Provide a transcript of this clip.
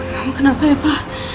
kamu kenapa ya pak